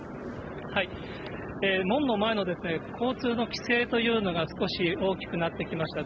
門の前の交通の規制というのが少し大きくなってきました。